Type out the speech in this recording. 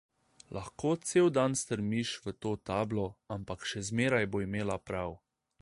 Lahko cel dan strmiš v to tablo, ampak še zmeraj bo imela prav.